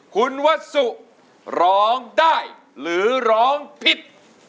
คุณวัสสุร้องได้หรือร้องผิด